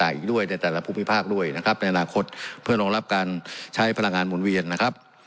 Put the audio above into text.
อีกด้วยในแต่ละภูมิภาคด้วยนะครับในอนาคตเพื่อรองรับการใช้พลังงานหมุนเวียนนะครับ